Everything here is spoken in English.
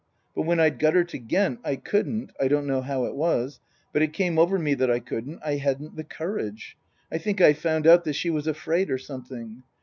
" But when I'd got her to Ghent I couldn't I don't know how it was but it came over me that I couldn't I hadn't the courage. I think I found out that she was afraid or something.